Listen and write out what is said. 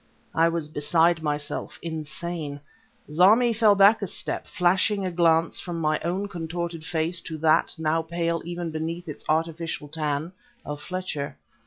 I was beside myself, insane. Zarmi fell back a step, flashing a glance from my own contorted face to that, now pale even beneath its artificial tan, of Fletcher.